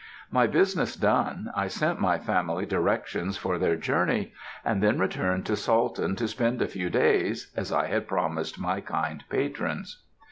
My business done, I sent my family directions for their journey, and then returned to Salton to spend a few days, as I had promised my kind patrons.